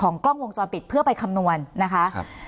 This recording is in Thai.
กล้องวงจรปิดเพื่อไปคำนวณนะคะ